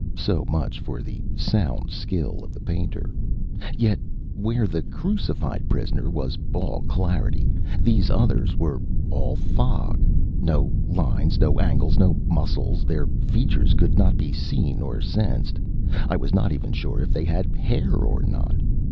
So much for the sound skill of the painter. Yet, where the crucified prisoner was all clarity, these others were all fog. No lines, no angles, no muscles their features could not be seen or sensed. I was not even sure if they had hair or not.